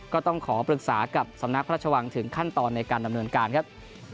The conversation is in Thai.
ก็ต้องขอปรึกษากับสำนักพระราชวังถึงขั้นตอนในการดำเนินการครับ